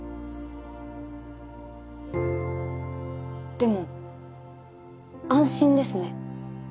でも安心ですね。